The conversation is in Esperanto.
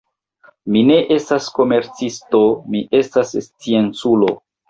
Mi ne estas komercisto; mi estas scienculo.